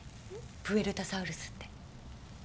プエルタサウルスって。